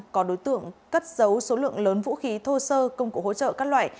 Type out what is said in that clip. có đối tượng cất dấu số lượng lớn vũ khí thô sơ công cụ hỗ trợ các loại